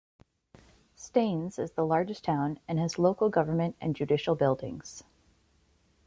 Staines is the largest town and has local government and judicial buildings.